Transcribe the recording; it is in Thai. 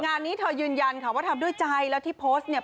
งานนี้เธอยืนยันค่ะว่าทำด้วยใจแล้วที่โพสต์เนี่ย